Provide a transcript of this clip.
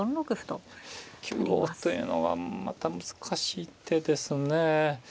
９五歩というのはまた難しい手ですね。